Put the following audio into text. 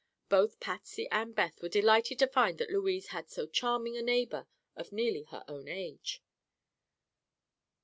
Both Patsy and Beth were delighted to find that Louise had so charming a neighbor, of nearly her own age.